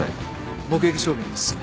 目撃証言です。